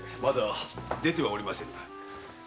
まだ出てはおりませぬ。